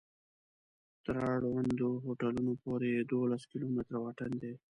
تر اړوندو هوټلونو پورې یې دولس کلومتره واټن دی.